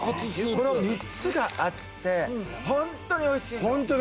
この３つがあって本当においしいの！